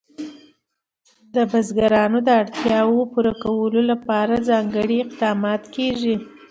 د بزګانو د اړتیاوو پوره کولو لپاره ځانګړي اقدامات کېږي.